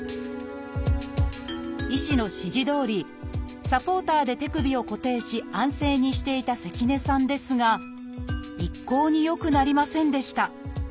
医師の指示どおりサポーターで手首を固定し安静にしていた関根さんですが一向に良くなりませんでした。